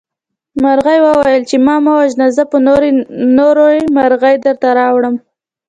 مرغۍ وویل چې ما مه وژنه زه به نورې مرغۍ درته راوړم.